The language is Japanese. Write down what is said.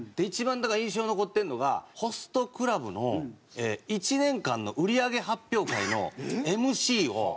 一番印象に残ってるのがホストクラブの１年間の売り上げ発表会のＭＣを。